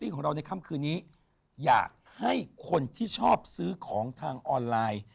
ก็จะชื่นี้อยากให้คนที่ชอบซื้อของทางออนไลน์